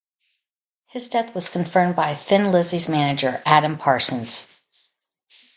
His death was confirmed by Thin Lizzy's manager, Adam Parsons.